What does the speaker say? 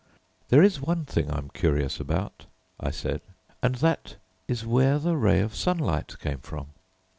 "There is one thing I'm curious about," I said, "and that is where the ray of sunlight came from."